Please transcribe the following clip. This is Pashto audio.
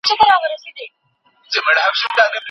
احمدشاه بابا په جګړه کې هېڅ وېره نه لرله.